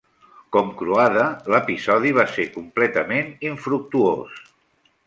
Com Croada, l'episodi va ser completament infructuós.